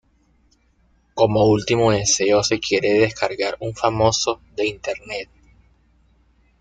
Como último deseo se quiere descargar un famoso de Internet.